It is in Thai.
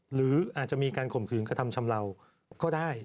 หรืออาจจะมีการข่มขืนกระทำชำเลาก็ได้